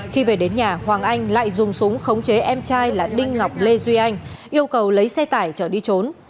khi về đến nhà hoàng anh lại dùng súng khống chế em trai là đinh ngọc lê duy anh yêu cầu lấy xe tải chở đi trốn